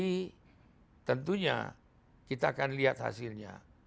ini tentunya kita akan lihat hasilnya